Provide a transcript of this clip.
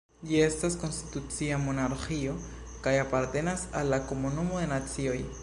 Ĝi estas konstitucia monarĥio kaj apartenas al la Komunumo de Nacioj.